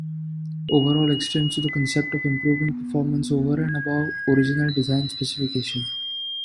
Overhaul extends to the concept of improving performance over and above original design specification.